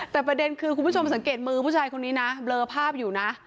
แต่ประเด็นคือคุณผู้ชมสังเกตมือผู้ชายคนนี้นะเบลอภาพอยู่นะ